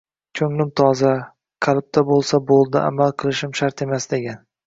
“Ko‘nglim toza”, “Qalbda bo‘lsa bo‘ldi, amal qilishim shart emas”, degan